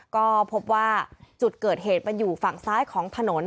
ก็พบว่าจุดเกิดเหตุมันอยู่ฝั่งซ้ายของถนน